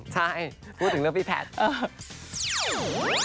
ใช่พูดถึงเรื่องพี่แพทย์